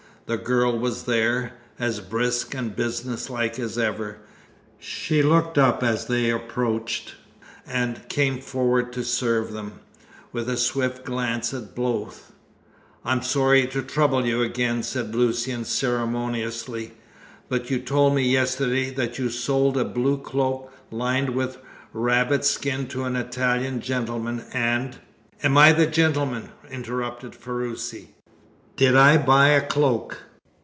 The girl was there, as brisk and businesslike as ever. She looked up as they approached, and came forward to serve them, with a swift glance at both. "I am sorry to trouble you again," said Lucian ceremoniously, "but you told me yesterday that you sold a blue cloak, lined with rabbit skin, to an Italian gentleman, and " "And am I the gentleman?" interrupted Ferruci. "Did I buy a cloak?"